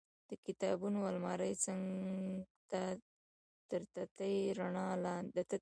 د کتابونو المارۍ څنګ ته تر تتې رڼا لاندې.